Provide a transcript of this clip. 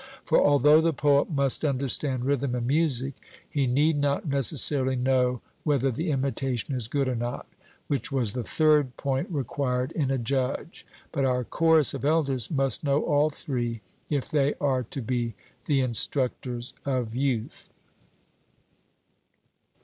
For although the poet must understand rhythm and music, he need not necessarily know whether the imitation is good or not, which was the third point required in a judge; but our chorus of elders must know all three, if they are to be the instructors of youth.